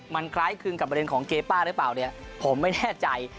มันคล้ายคลึงกับประเด็นของเกป้าหรือเปล่าเนี่ยผมไม่แน่ใจ